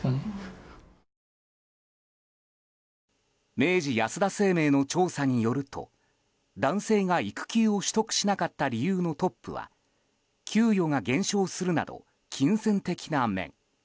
明治安田生命の調査によると男性が、育休を取得しなかった理由のトップは給与が減少するなど金銭的な面。